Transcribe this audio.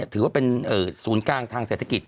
ถือว่าเป็นศูนย์กลางทางเศรษฐกิจ